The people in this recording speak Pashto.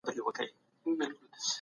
دا لپټاپ تر هغه بل ډېر سپک دی.